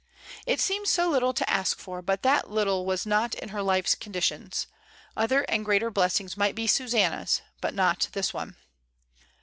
It seemed so little to ask for, but that little was not in her life's conditions; other and greater bless ings might be Susanna's, but not this one.